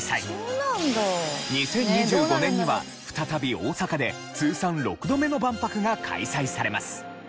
２０２５年には再び大阪で通算６度目の万博が開催されます。